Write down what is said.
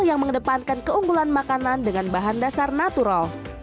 yang mengedepankan keunggulan makanan dengan bahan dasar natural